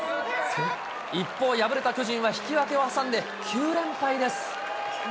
一方、敗れた巨人は、引き分けを挟んで９連敗です。